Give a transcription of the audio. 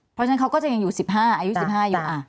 เพราะฉะนั้นเขาก็จะยังอยู่๑๕อายุ๑๕อยู่